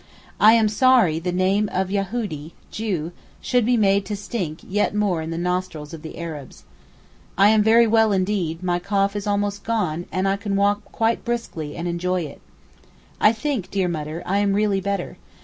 I am sorry the name of Yahoodee (Jew) should be made to stink yet more in the nostrils of the Arabs. I am very well, indeed my cough is almost gone and I can walk quite briskly and enjoy it. I think, dear Mutter, I am really better.